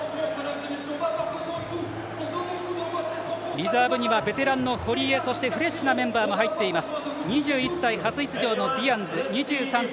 リザーブにはベテランの堀江フレッシュなメンバーも入っています。